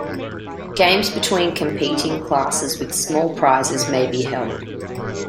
Games between competing classes with small prizes may be held.